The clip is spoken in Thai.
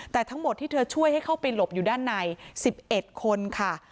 แต่ทั้งหมดที่เธอช่วยให้เข้าไปหลบอยู่ด้านใน๑๑คนค่ะ